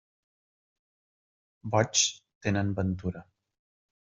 Boigs tenen ventura.